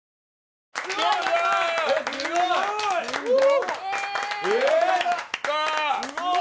すごい！